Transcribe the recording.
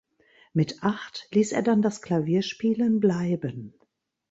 Mit acht ließ er dann das Klavierspielen bleiben.